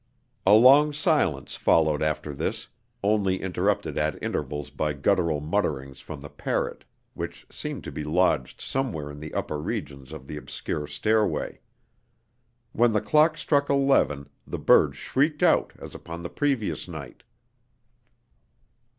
A long silence followed after this, only interrupted at intervals by guttural mutterings from the parrot, which seemed to be lodged somewhere in the upper regions of the obscure stairway. When the clock struck eleven, the bird shrieked out, as upon the previous night.